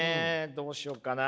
どうしようかな。